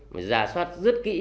mà giả soát rất kỹ